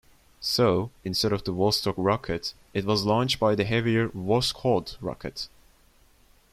So, instead of the Vostok rocket, it was launched by the heavier Voskhod rocket.